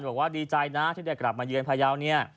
บอกว่าดีใจนะที่ได้กลับมาเยือนพายาวเนี่ย